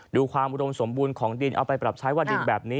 ดูความอุดมสมบูรณ์ของดินเอาไปปรับใช้ว่าดินแบบนี้